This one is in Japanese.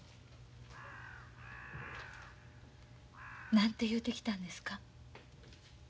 何て言うてきたんですか？